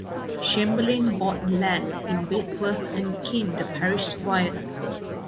Chamberlaine bought land in Bedworth and became the parish squire.